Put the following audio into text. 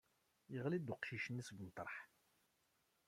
Yeɣli-d uqcic-nni seg umeṭreḥ.